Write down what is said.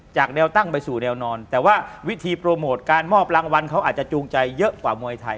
แนวตั้งไปสู่แนวนอนแต่ว่าวิธีโปรโมทการมอบรางวัลเขาอาจจะจูงใจเยอะกว่ามวยไทย